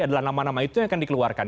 adalah nama nama itu yang akan dikeluarkan